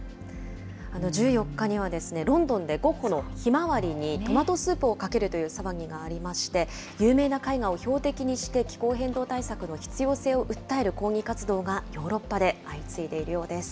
１４日にはロンドンでゴッホのひまわりにトマトスープをかけるという騒ぎがありまして、有名な絵画を標的にして、気候変動対策の必要性を訴える抗議活動がヨーロッパで相次いでいるようです。